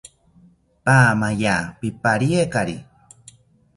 Paamaya pipariekari